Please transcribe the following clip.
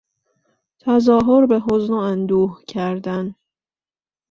تظاهر به حزن و اندوه کردن